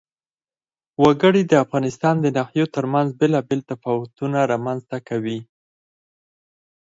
وګړي د افغانستان د ناحیو ترمنځ بېلابېل تفاوتونه رامنځ ته کوي.